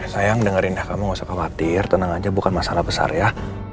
sayang dengerin ya kamu gak usah khawatir tenang aja bukan masalah besar ya